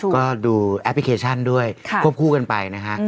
ก็ดูแอปพลิเคชันด้วยควบคู่กันไปนะฮะ